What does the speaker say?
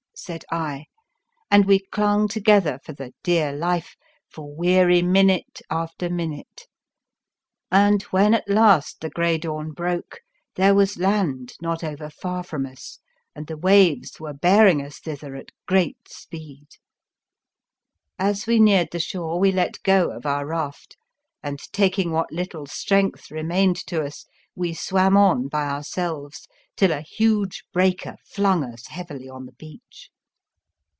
" said I, and we clung to gether for the dear life for weary minute after minute ; and when at last the grey dawn broke, there was land not over far from us, and the waves were bear ing us thither at great speed. As we neared the shore we let go of our raft, and, taking what little strength re mained to us, we swam on by ourselves till a huge breaker flung us heavily on the beach.